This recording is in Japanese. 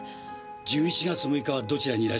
１１月６日はどちらにいらっしゃいましたか？